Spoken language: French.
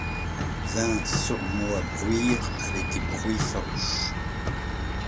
Vinrent sur moi bruire avec des bruits farouches